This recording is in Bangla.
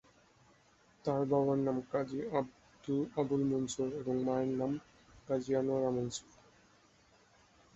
তার বাবার নাম কাজী আবুল মনসুর এবং মায়ের নাম কাজী আনোয়ারা মনসুর।